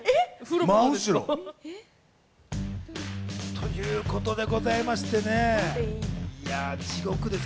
ということでございましてね、地獄です。